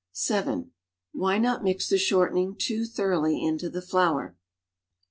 (7) Why not mix the shortening too thoroughly into the flour? Ans.